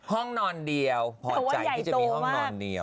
ห้องนอนเดียวพอใจที่จะมีห้องนอนเดียว